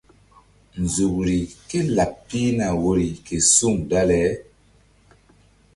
Nzukri kélaɓ pihna woyri ke suŋ dale.